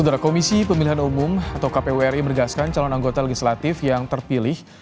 komisi pemilihan umum atau kpwri menegaskan calon anggota legislatif yang terpilih